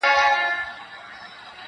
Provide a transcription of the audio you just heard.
نه پلار ګوري نه خپلوان او نه تربرونه -